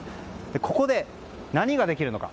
ここで何ができるのか。